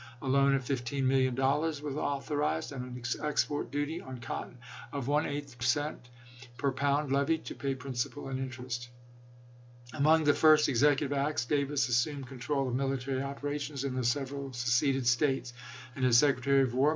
A loan of $15,000,000 was authorized, and an export duty on cotton of & cent per pound levied, to pay principal and interest. Among the first executive acts, Davis assumed control of military operations in the several seceded States ; and his Secretary of War i86i.